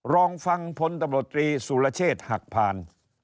รองฟังพตศหักพาน